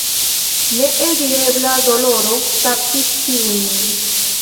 Neeldirebla doloro kaptis ĉiujn.